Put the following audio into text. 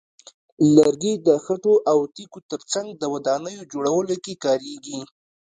لرګي د خټو او تیږو ترڅنګ د ودانیو جوړولو کې کارېږي.